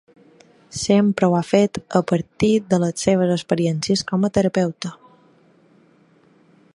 Sempre ho ha fet a partir de les seves experiències com a terapeuta.